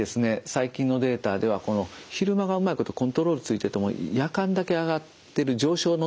最近のデータでは昼間がうまいことコントロールついてても夜間だけ上がってる上昇のタイプですね。